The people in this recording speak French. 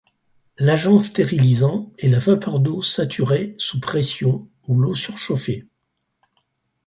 L'agent stérilisant est la vapeur d'eau saturée sous pression ou l'eau surchauffée.